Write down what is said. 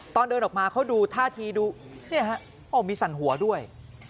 ตอนเดินออกมาเขาดูท่าทีดูเนี่ยฮะโอ้มีสั่นหัวด้วย